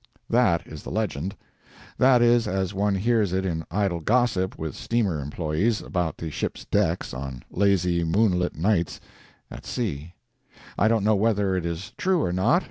That is the legend. That is as one hears it in idle gossip with steamer employees, about the ship's decks on lazy moonlight nights at sea. I don't know whether it is true or not.